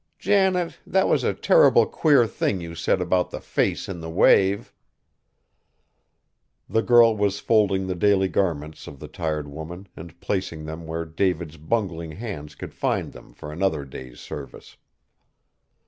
Janet, that was a terrible queer thing you said about the face in the wave." The girl was folding the daily garments of the tired woman and placing them where David's bungling hands could find them for another day's service.